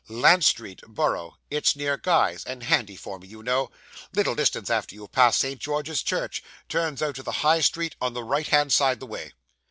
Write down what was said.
'Lant Street, Borough; it's near Guy's, and handy for me, you know. Little distance after you've passed St. George's Church turns out of the High Street on the right hand side the way.